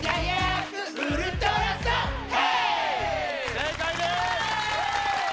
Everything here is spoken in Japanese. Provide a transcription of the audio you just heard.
正解です！